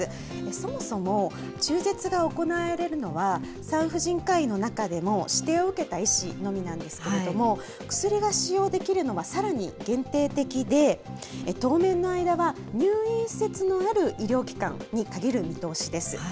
そもそも中絶が行えるのは産婦人科医の中でも指定を受けた医師のみなんですけれども、薬が使用できるのはさらに限定的で、当面の間は、入院施設のある医療機関に限る見通しです。